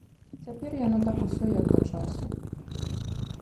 Цяпер яно так усё як да часу.